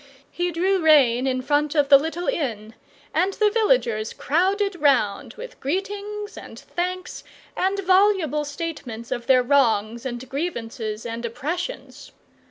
He drew rein in front of the little inn, and the villagers crowded round with greetings and thanks and voluble statements of their wrongs and grievances and oppressions.